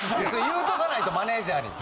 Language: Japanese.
言うとかないとマネジャーに。